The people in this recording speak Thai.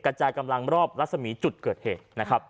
กระจายกำลังรอบรัศมีจุดเกิดเหตุนะครับ